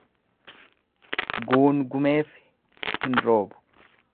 Guungumeef hin roobu.